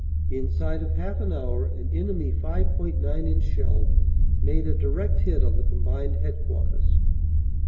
In side of half an hour an enemy 5.9 inch shell made a direct hit on the combined headquarters, Lt.